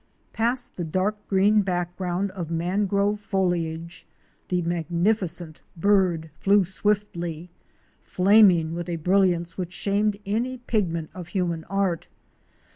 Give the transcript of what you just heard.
* Past the dark green background of mangrove foliage the magnificent bird flew swiftly — flaming with a brilliance which shamed any pigment of human art.